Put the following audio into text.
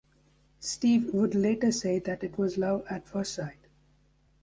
Steve would later say that it was love at first sight.